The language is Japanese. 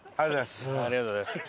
ありがとうございます。